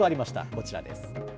こちらです。